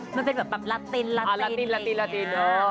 มันเป็นแบบลาตินเลยแบบนี้